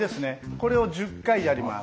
これを１０回やります。